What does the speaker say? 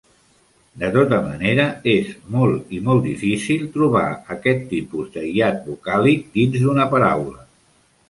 De tota manera, és molt i molt difícil trobar aquest tipus de hiat vocàlic dins d'una paraula.